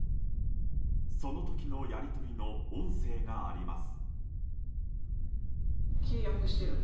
その時のやり取りの音声があります。